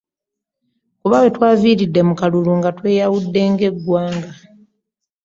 Kuba we twaviiridde mu kalulu nga tweyawudde ng'eggwanga.